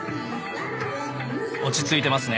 落ち着いてますね。